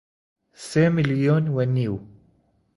سێ ملیۆن و نیو